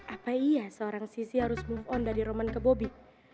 apa iya seorang sisi harus move on dari roman ke bobi